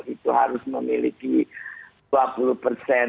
itu harus memiliki dua puluh persen